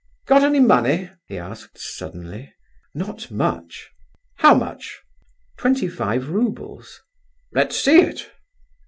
"Got any money?" he asked, suddenly. "Not much." "How much?" "Twenty five roubles." "Let's see it."